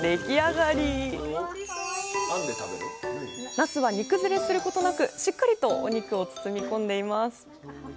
なすは煮崩れすることなくしっかりとお肉を包み込んでいます。